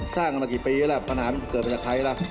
สร้างกันมากี่ปีแล้วปัญหามันเกิดมาจากใครล่ะ